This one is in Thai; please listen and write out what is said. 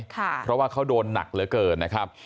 เพราะว่าเขาโดนหนักเหลือเกินนะครับ